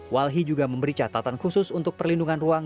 walhi juga memberi catatan khusus untuk perlindungan ruang